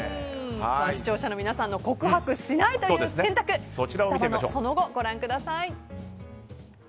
視聴者の皆さんの告白しないという選択双葉のその後、ご覧ください。